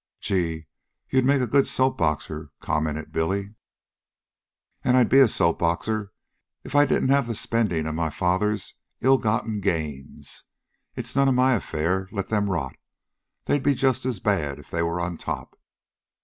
"Gee! you'd make a good soap boxer," commented Billy. "And I'd be a soap boxer if I didn't have the spending of my father's ill gotten gains. It's none of my affair. Let them rot. They'd be just as bad if they were on top.